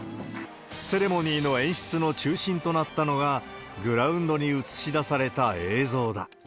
セレモニーの演出の中心となったのが、グラウンドに映し出された映像だ。